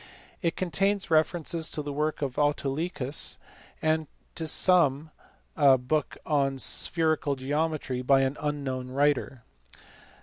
It contains references to the work of Autolycus* and to some book on spherical geometry by an unknown writer.